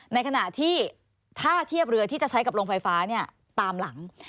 ในขณะที่ถ้าเทียบเรือที่จะใช้กับโรงไฟฟ้าตามหลัง